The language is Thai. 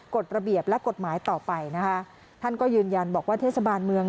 กฎระเบียบและกฎหมายต่อไปนะคะท่านก็ยืนยันบอกว่าเทศบาลเมือง